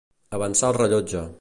Avançar el rellotge.